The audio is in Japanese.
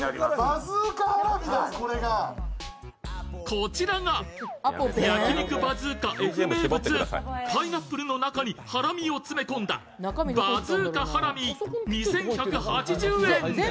こちらが焼き肉バズーカＦ名物、パイナップルの中にハラミを詰め込んだ、バズーカハラミ２１８０円。